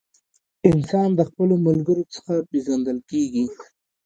انسان د خپلو ملګرو څخه پیژندل کیږي.